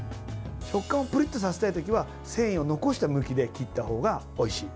食感をぷりっとさせたいときは繊維を残した向きで切ったほうがおいしい。